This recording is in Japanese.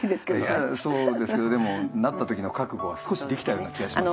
いやそうですけどでもなった時の覚悟は少しできたような気がします。